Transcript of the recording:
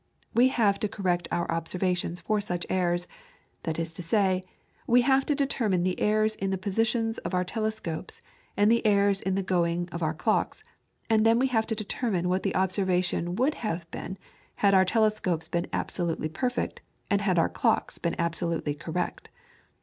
We have to correct our observations for such errors, that is to say, we have to determine the errors in the positions of our telescopes and the errors in the going of our clocks, and then we have to determine what the observations would have been had our telescopes been absolutely perfect, and had our clocks been absolutely correct.